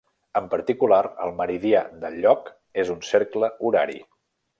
En particular, el meridià del lloc és un cercle horari.